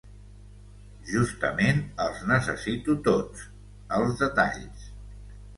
Justament els necessito tots, els detalls.